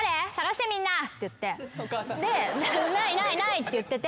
で「ないないない」って言ってて。